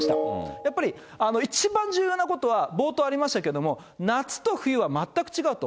やっぱり一番重要なことは、冒頭ありましたけども、夏と冬は全く違うと。